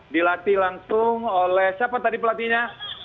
dilatih langsung oleh siapa tadi pelatihnya